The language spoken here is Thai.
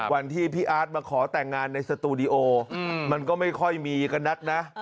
วันที่พี่อาร์ตมาขอแต่งงานในสตูดิโอมันก็ไม่ค่อยมีกันนักนะ